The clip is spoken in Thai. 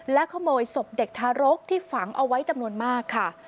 และขโมยศพเด็กทารกที่ฝังเอาไว้จำนวนมากค่ะ